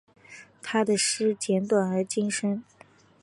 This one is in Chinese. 他的诗简短而精深。